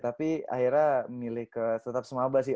tapi akhirnya milih ke tetap semangat sih